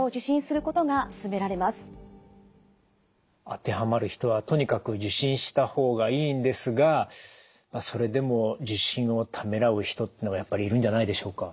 当てはまる人はとにかく受診した方がいいんですがそれでも受診をためらう人というのはやっぱりいるんじゃないでしょうか？